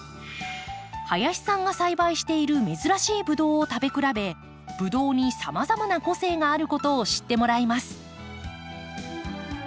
林さんが栽培している珍しいブドウを食べくらべブドウにさまざまな個性があることを知ってもらいます。